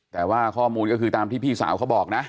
แต่ว่าข้อมูลก็คือตามที่พี่สาวเขาบอกนะ